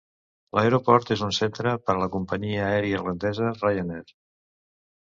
L'aeroport és un centre per a la companyia aèria irlandesa Ryanair.